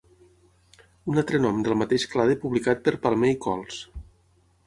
Un altre nom del mateix clade publicat per Palmer i cols.